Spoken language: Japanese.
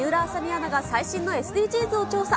最新のＳＤＧｓを調査。